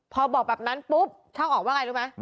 พอบอกแบบนั้นปุ๊บช่องออกว่าไงรู้ไหม